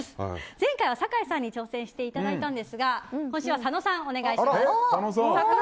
前回は酒井さんに挑戦してもらったんですが今週は佐野さん、お願いします。